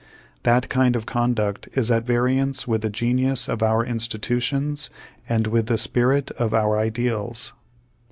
That kind of conduct is at variance with the genius of our institutions and with the spirit of our ideals.